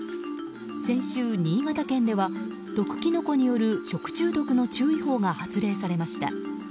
先週、新潟県では毒キノコによる食中毒の注意報が発令されました。